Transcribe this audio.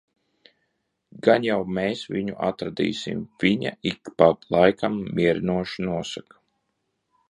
"Gan jau mēs viņu atradīsim," viņa ik pa laikam mierinoši nosaka.